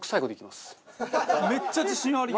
めっちゃ自信ありげ。